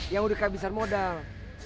yang udah kehabisan modal